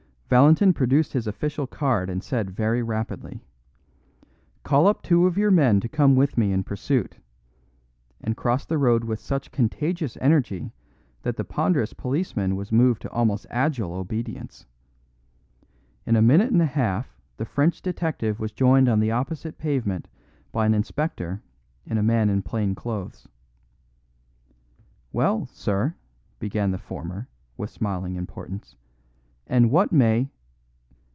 Valentin produced his official card and said very rapidly: "Call up two of your men to come with me in pursuit," and crossed the road with such contagious energy that the ponderous policeman was moved to almost agile obedience. In a minute and a half the French detective was joined on the opposite pavement by an inspector and a man in plain clothes. "Well, sir," began the former, with smiling importance, "and what may